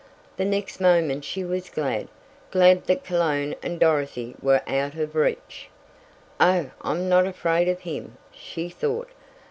The next moment she was glad glad that Cologne and Dorothy were out of reach. "Oh, I'm not afraid of him," she thought.